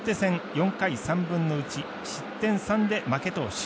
４回３分の１、失点３で負け投手。